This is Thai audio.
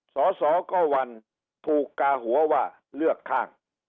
สสก็วันถูกกาหัวว่าเลือกข้าง